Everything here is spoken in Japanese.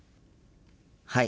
はい。